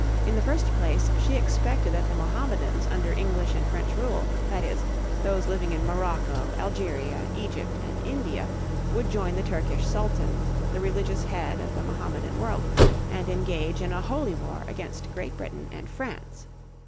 In the first place she expected that the Mohammedans under English and French rule, that is, those living in Morocco, Algeria, Egypt, and India, would join the Turkish Sultan, the religious head of the Mohammedan world, and engage in a "Holy War" against Great Britain and France.